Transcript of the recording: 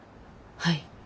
はい。